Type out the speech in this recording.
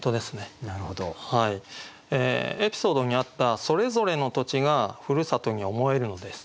エピソードにあった「それぞれの土地が故郷に思えるのです」。